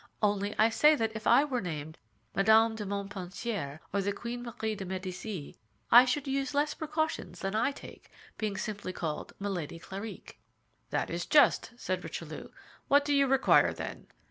Only I say that if I were named Madame de Montpensier, or the Queen Marie de Médicis, I should use less precautions than I take, being simply called Milady Clarik." "That is just," said Richelieu. "What do you require, then?"